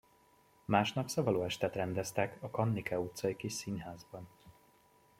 Másnap szavalóestet rendeztek a Kannike utcai kis színházban.